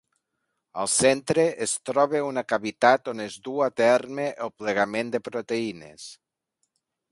Al centre es troba una cavitat on es duu a terme el plegament de proteïnes.